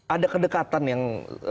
ada kedekatan yang